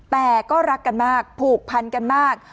แต่ก็รักกันมากผูกพันกันมาก